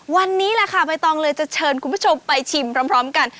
วันนี้แหละค่ะใบตองเลยจะเชิญคุณผู้ชมไปชิมพร้อมกัน